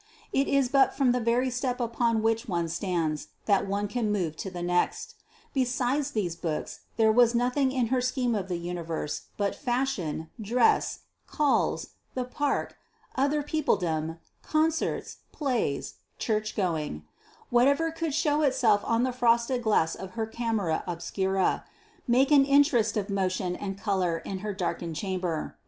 It is but from the very step upon which one stands that one can move to the next. Besides these books, there was nothing in her scheme of the universe but fashion, dress, calls, the park, other peopledom, concerts, plays, churchgoing whatever could show itself on the frosted glass of her camera obscura make an interest of motion and colour in her darkened chamber.